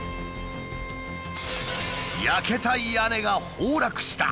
焼けた屋根が崩落した！